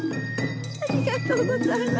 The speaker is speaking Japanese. ありがとうございます。